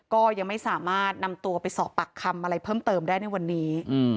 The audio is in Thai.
ก็ยังไม่สามารถนำตัวไปสอบปากคำอะไรเพิ่มเติมได้ในวันนี้